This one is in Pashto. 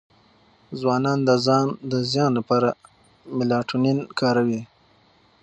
ځوانان د ځان د زیان لپاره میلاټونین کاروي.